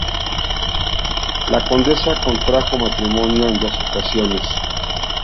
La condesa contrajo matrimonio en dos ocasiones.